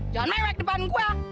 jangan mewek depan gua